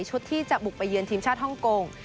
ที่จะบุกไปเยือนทีมชาติฮ่องกง